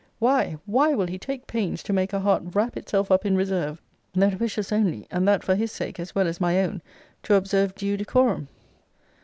Why, why, will he take pains to make a heart wrap itself up in reserve, that wishes only, and that for his sake as well as my own, to observe due decorum?